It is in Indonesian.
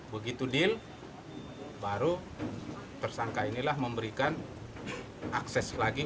begitu deal baru tersangka inilah memberikan akses lagi